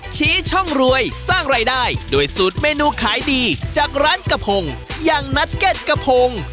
ชี้ช่องรวยสร้างรายได้ด้วยสูตรเมนูขายดีจากร้านกระพงอย่างนัทเก็ตกระพง